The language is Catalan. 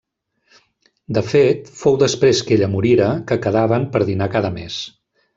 De fet, fou després que ella morira, que quedaven per dinar cada mes.